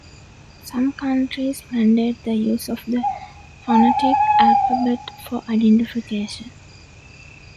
Some countries mandate the use of the phonetic alphabet for identification.